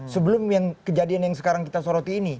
sebelum yang kejadian yang sekarang kita soroti ini